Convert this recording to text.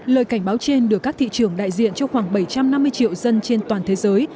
lời cảnh báo trên được các thị trường đại diện cho khoảng bảy trăm năm mươi triệu dân trên toàn thế giới